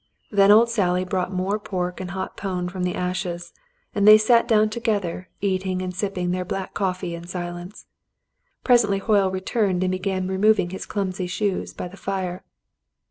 Then old Sally brought more pork and hot pone from the ashes, and they sat down together, eating and sipping their black coffee in silence. Presently Hoyle returned and began removing his clumsy shoes, by the fire.